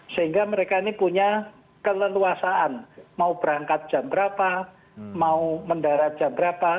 sehingga mereka ini punya keleluasaan mau berangkat jam berapa mau mendarat jam berapa